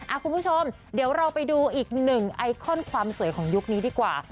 คุณผู้ชมเดี๋ยวเราไปดูอีกหนึ่งไอคอนความสวยของยุคนี้ดีกว่า